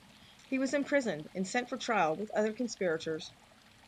He was imprisoned and sent for trial with other conspirators.